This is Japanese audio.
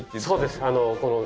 そうです